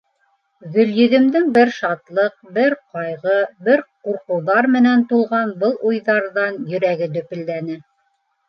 — Гөлйөҙөмдөң бер шатлыҡ, бер ҡайғы, бер ҡурҡыуҙар менән тулған был уйҙарҙан йөрәге дөпөлдәне.